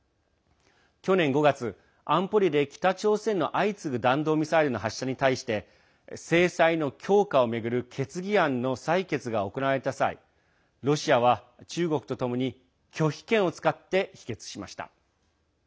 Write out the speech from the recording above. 去年５月、安保理で北朝鮮の相次ぐ弾道ミサイルの発射に対して制裁の強化を巡る決議案の採決が行われた際ロシアは中国とともに拒否権を使って否決しました。